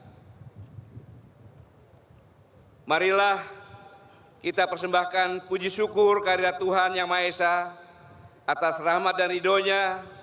dan marilah kita persembahkan puji syukur kehadiran tuhan yang maha esa atas rahmat dan ridhonya